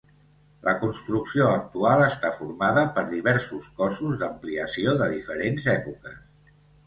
La construcció actual està formada per diversos cossos d'ampliació de diferents èpoques.